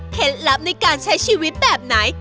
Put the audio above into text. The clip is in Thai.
ลับในการใช้ชีวิตแบบไหน